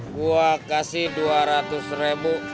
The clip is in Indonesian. gua kasih dua ratus ribu